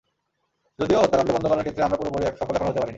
যদিও হত্যাকাণ্ড বন্ধ করার ক্ষেত্রে আমরা পুরোপুরি সফল এখনো হতে পারিনি।